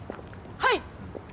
はい！